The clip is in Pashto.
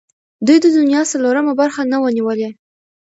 دوی د دنیا څلورمه برخه نه وه نیولې.